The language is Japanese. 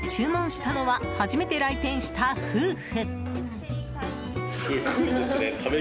注文したのは初めて来店した夫婦。